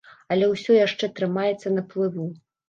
Але ўсё яшчэ трымаецца на плыву.